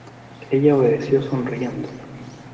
ella obedeció sonriendo.